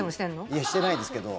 いやしてないですけど。